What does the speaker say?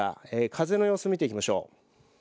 風の様子見ていきましょう。